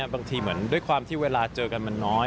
บางทีเหมือนด้วยความที่เวลาเจอกันมันน้อย